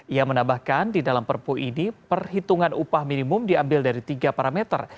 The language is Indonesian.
ia menambahkan di dalam perpu ini perhitungan upah minimum diambil dari tiga parameter